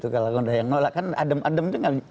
kalau yang nolak adem adem